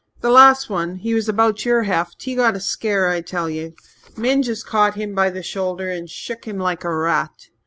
The last one he was about your heft he got a scare, I tell you. Min just caught him by the shoulder and shook him like a rat!